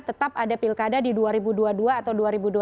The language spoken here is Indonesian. tetap ada pilkada di dua ribu dua puluh dua atau